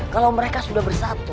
kalau mereka sudah bersatu